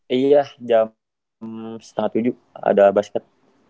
iya jam setengah tujuh ada basket